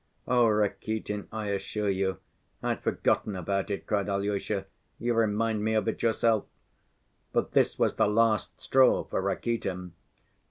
"Oh, Rakitin, I assure you I'd forgotten about it," cried Alyosha, "you remind me of it yourself...." But this was the last straw for Rakitin.